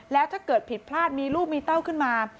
แล้วถ้าเกิดผิดพลาดมีลูกมีเต้าขึ้นมา